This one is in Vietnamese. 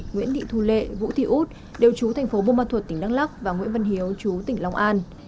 nguyễn thị thu lệ vũ thị út đều trú thành phố bô ma thuật tỉnh đắk lắc và nguyễn văn hiếu trú tỉnh long an